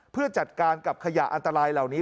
เพื่อจัดการกับขยะอันตรายเหล่านี้